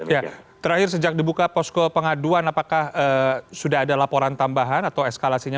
ya terakhir sejak dibuka posko pengaduan apakah sudah ada laporan tambahan atau eskalasinya